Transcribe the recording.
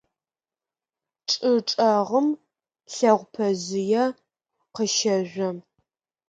ЧӀы чӀэгъым лэгъупэжъые къыщэжъо.